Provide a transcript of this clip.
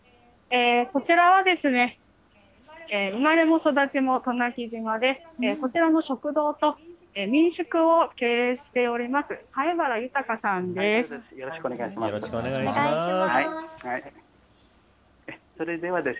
こちらは、生まれも育ちも渡名喜島で、こちらの食堂と民宿を経営しております、よろしくお願いします。